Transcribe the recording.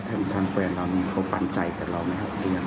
แล้วท่านเพื่อนเรานี่เขาปัญญาใจกับเราไหมครับ